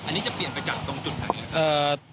อันนี้จะเปลี่ยนไปจากตรงจุดไหนครับ